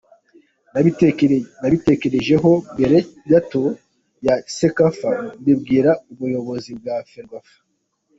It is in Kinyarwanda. Nabitekerejeho mbere gato ya Cecafa mbibwira n’ubuyobozi bwa Ferwafa.